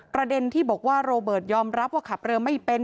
ประเด็นที่บอกว่าโรเบิร์ตยอมรับว่าขับเรือไม่เป็น